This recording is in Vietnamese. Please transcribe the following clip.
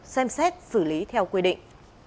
xem xét xử lý theo quy định